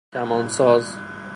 کمان ساز